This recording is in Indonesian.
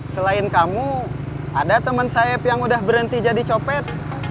selain kamu ada teman sayap yang udah berhenti jadi copet